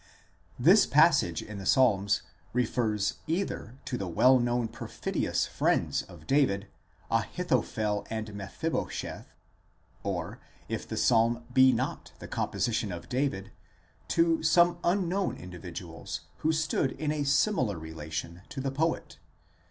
xli. το. This passage in the Psalms refers either to the well known per fidious friends of David, Ahithophel and Mephibosheth, or, if the Psalm be not the composition of David, to some unknown individuals who stood in a similar relation to the poet.?.